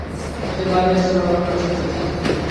তাঁদের ভারী অস্ত্র ব্যবহার করার সুযোগ থাকে না।